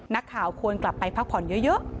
นักข่าวควรกลับไปพักผ่อนเยอะ